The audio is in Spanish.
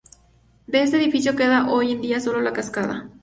De este edificio queda hoy en día sólo la cascada.